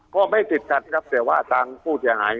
ก็ไม่ติดขัดครับแต่ว่าตังค์ผู้ที่จะหาย